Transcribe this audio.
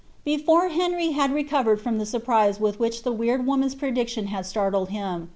Pefore Henty had rerovered from the surprise with which the wctid woninn's prediction had startled hini.